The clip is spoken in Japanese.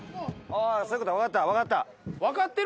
そういうことか、分かった、分かってる？